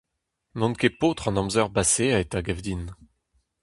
N'on ket paotr an amzer baseet, a gav din.